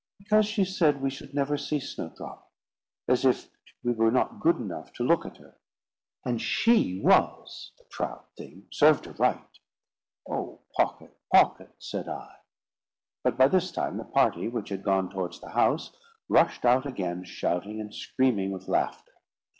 "Because she said we should never see Snowdrop; as if we were not good enough to look at her, and she was, the proud thing!—served her right!" "Oh, Pocket, Pocket," said I; but by this time the party which had gone towards the house, rushed out again, shouting and screaming with laughter.